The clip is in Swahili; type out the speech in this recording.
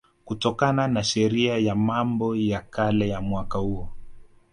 kutokana na Sheria ya Mambo ya Kale ya mwaka huo